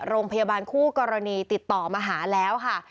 โรงพยาบาลคู่กรณีติดต่อมาหาแล้วค่ะ